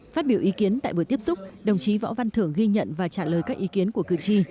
phát biểu ý kiến tại buổi tiếp xúc đồng chí võ văn thưởng ghi nhận và trả lời các ý kiến của cử tri